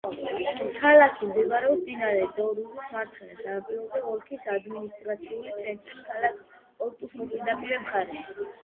ქალაქი მდებარეობს მდინარე დორუს მარცხენა სანაპიროზე, ოლქის ადმინისტრაციული ცენტრის, ქალაქ პორტუს მოპირდაპირე მხარეს.